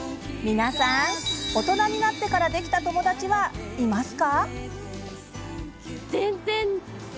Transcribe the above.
皆さん、大人になってからできた友達はいますか？